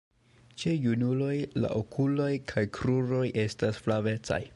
Ĉe junuloj la okuloj kaj kruroj estas flavecaj.